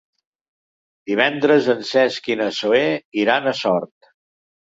Divendres en Cesc i na Zoè iran a Sort.